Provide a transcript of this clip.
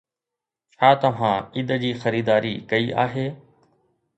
ڇا توهان عيد جي خريداري ڪئي آهي؟